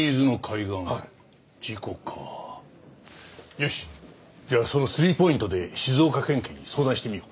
よしじゃあその３ポイントで静岡県警に相談してみよう。